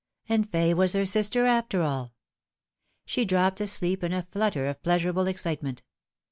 And Fay was her sister after all. She dropped asleep in a flutter of pleasur able excitement.